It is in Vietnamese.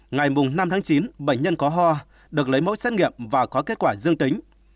ngày năm chín bệnh nhân có hoa được lấy mẫu xét nghiệm và có kết quả dương tính